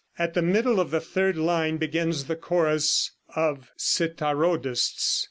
At the middle of the third line begins the chorus of Citharodists.